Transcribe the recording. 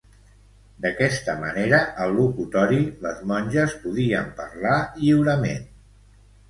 D'aquesta manera, al locutori, les monges podien parlar lliurement.